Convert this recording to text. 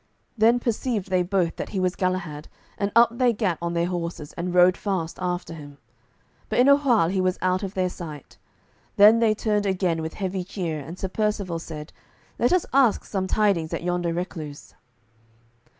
Then perceived they both that he was Galahad, and up they gat on their horses, and rode fast after him, but in a while he was out of their sight. Then they turned again with heavy cheer, and Sir Percivale said, "Let us ask some tidings at yonder recluse."